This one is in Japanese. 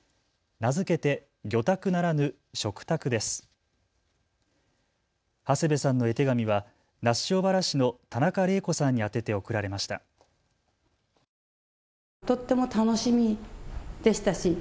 名付けて魚拓ならぬ食拓です。